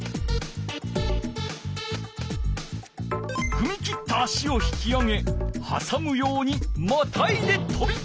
ふみ切った足を引き上げはさむようにまたいでとびこえる。